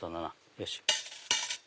よし！